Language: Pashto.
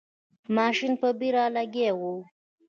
ماشین په بیړه لګیا و.